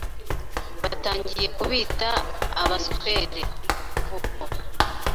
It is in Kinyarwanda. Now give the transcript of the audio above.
batangiye kubita Abaswere. kuvubwo